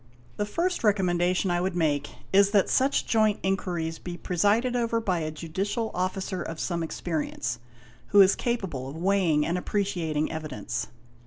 The first recommenda tion I would make is that such joint inquiries be presided over by a Judicial Officer of some experience, who is capable of weighing and appreciating evidence.